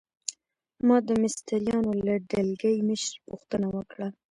ما د مستریانو له ډلګۍ مشره پوښتنه وکړه.